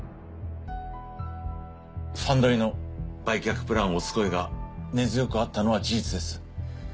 ファンドへの売却プランを押す声が根強くあったのは事実です。